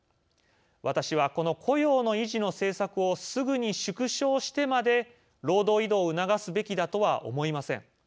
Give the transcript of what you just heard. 私は、この雇用の維持の政策をすぐに縮小してまで労働移動を促すべきだとは思いません。